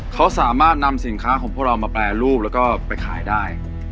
เขาสามารถนำสินค้าของพวกเรามาแปรรูปแล้วก็ไปขายได้